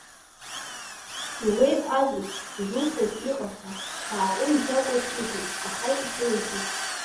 Иуеиҳәазеи, дызусҭаз иҟаз ҳәа сааҟәымҵӡакәа сиҳәон, аха исеимҳәеит.